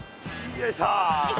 よいしょ。